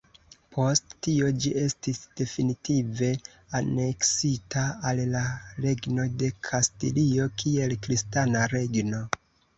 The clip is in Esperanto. Post tio ĝi estis definitive aneksita al la Regno de Kastilio kiel kristana regno.